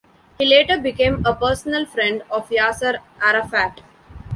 He later became a personal friend of Yasser Arafat.